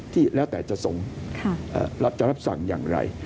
ที่แล้วแต่จะส่งเราจะรับสั่งอย่างไร